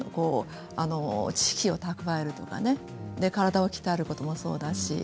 知識を蓄えるとか体を鍛えることもそうだし。